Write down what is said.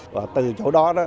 và từ chỗ đó đó